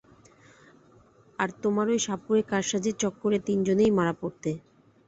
আর তোমার ঐ সাপুড়ে কারসাজির চক্করে তিনজনেই মারা পড়তে।